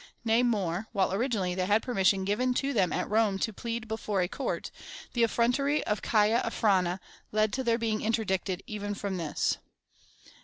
Nay more, while originally they had permission given to them at Rome to plead before a court,^ the effrontery of Caia Afrania^ led to their being interdicted, even from this.